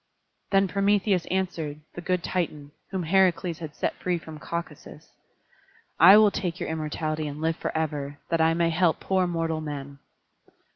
Then Prometheus answered, the good Titan, whom Heracles had set free from Caucasus: "I will take your immortality and live forever, that I may help poor mortal men."